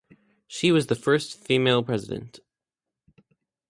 She was the first female president.